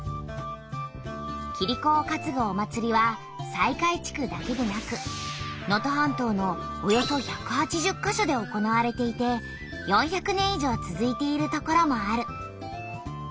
キリコをかつぐお祭りは西海地区だけでなく能登半島のおよそ１８０か所で行われていて４００年以上つづいている所もある。